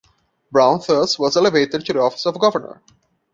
Brown, thus, was elevated to the office of governor.